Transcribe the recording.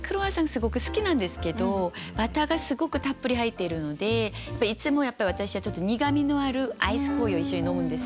すごく好きなんですけどバターがすごくたっぷり入っているのでいつもやっぱり私はちょっと苦みのあるアイスコーヒーを一緒に飲むんですね。